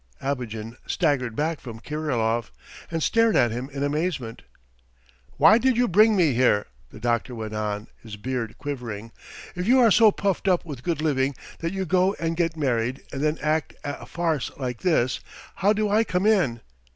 Abogin staggered back from Kirilov and stared at him in amazement. "Why did you bring me here?" the doctor went on, his beard quivering. "If you are so puffed up with good living that you go and get married and then act a farce like this, how do I come in?